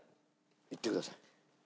いってください。